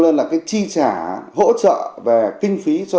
nên là cái chi trả hỗ trợ về kinh phí cho